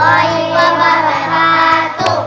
waalaikumsalam warahmatullahi wabarakatuh